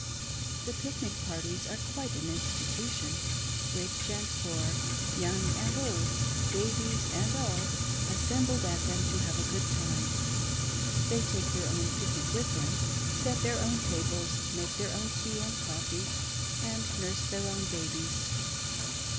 The pic nic parties are quite an institution. Rich and poor, young and old, babies and all, assembled at them to have " a good time." They take their own " pic nic " with them, set their own tables, make their own tea and coffee, and nurse ' their own babies.